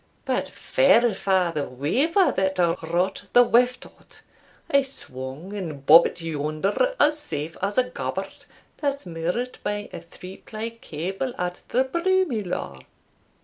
But fair fa' the weaver that wrought the weft o't I swung and bobbit yonder as safe as a gabbart* that's moored by a three ply cable at the Broomielaw."